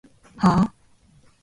はぁ？